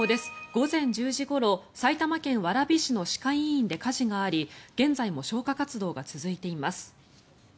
午前１０時ごろ埼玉県蕨市の歯科医院で火事があり現在も消火活動が続いています。